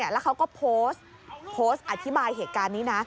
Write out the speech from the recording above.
แล้วเขาก็โพสต์โพสต์อธิบายเหตุการณ์นี้นะ